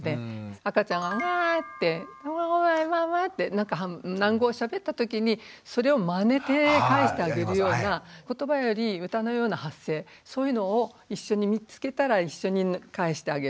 赤ちゃんが「ウァ」って「ゴェゴェウァウァ」ってなんか喃語をしゃべったときにそれをまねて返してあげるような言葉より歌のような発声そういうのを一緒に見つけたら一緒に返してあげる。